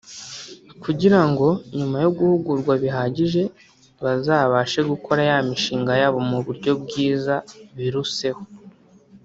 kugira ngo nyuma yo guhugurwa bihagije bazabashe gukora ya mishinga yabo mu buryo bwiza biruseho